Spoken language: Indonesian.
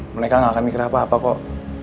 mereka nggak akan mikir apa apa kok